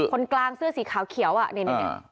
คนกลางเสื้อสีขาวเขียวอ่ะนี่